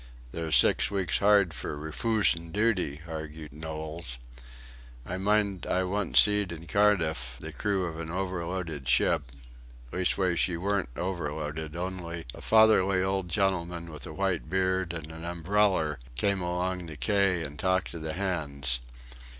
"There's six weeks' hard for refoosing dooty," argued Knowles, "I mind I once seed in Cardiff the crew of an overloaded ship leastways she weren't overloaded, only a fatherly old gentleman with a white beard and an umbreller came along the quay and talked to the hands.